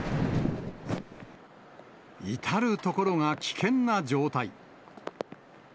至る所が危険な状態。